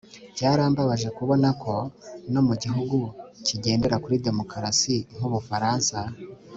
byarambabaje kubona ko no mu gihugu kigendera kuri demokarasi nk'u bufaransa,